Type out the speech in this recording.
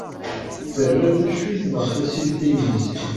Terra taccuyt neɣ tasilt i yimensi.